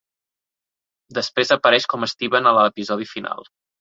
Després apareix com Steven a l'episodi final.